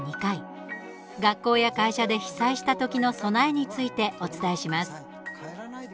学校や会社で被災した時の備えについてお伝えします。